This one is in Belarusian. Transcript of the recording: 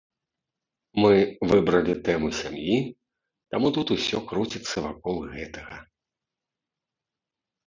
Мы выбралі тэму сям'і, таму тут усё круціцца вакол гэтага.